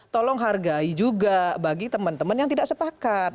tolong hargai juga bagi teman teman yang tidak sepakat